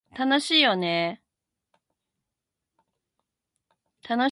楽しいよね